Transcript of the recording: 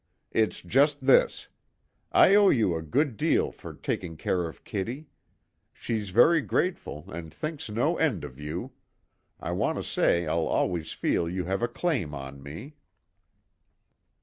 It's just this I owe you a good deal for taking care of Kitty; she's very grateful, and thinks no end of you, I want to say I'll always feel you have a claim on me."